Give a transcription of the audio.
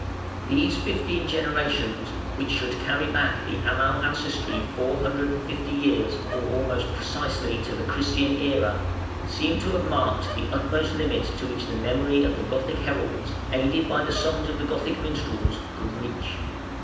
] These fifteen generations, which should carry back the Amal ancestry four hundred and fifty years, or almost precisely to the Christian Era, seem to have marked the utmost limit to which the memory of the Gothic heralds, aided by the songs of the Gothic minstrels, could reach.